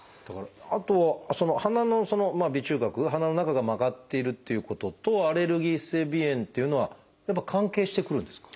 あと鼻のまあ鼻中隔鼻の中が曲がっているっていうこととアレルギー性鼻炎っていうのは関係してくるんですか？